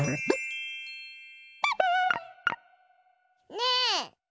ねえ！